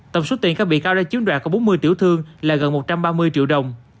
tổng số tiền các bị cáo đã chiếm đoạt của bốn mươi tiểu thương là gần một trăm ba mươi triệu đồng